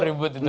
itu ribut itu